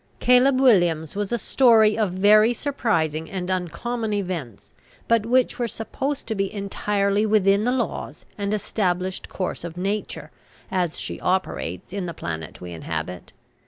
Caleb Williams was a story of very surprising and uncommon events, but which were supposed to be entirely within the laws and established course of nature, as she operates in the planet we inhabit.